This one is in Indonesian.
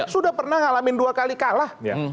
sudah pernah ngalamin dua kali kalah